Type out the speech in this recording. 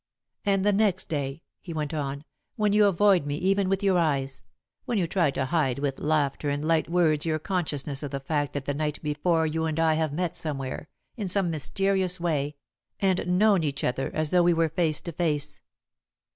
"And the next day," he went on, "when you avoid me even with your eyes; when you try to hide with laughter and light words your consciousness of the fact that the night before you and I have met somewhere, in some mysterious way, and known each other as though we were face to face!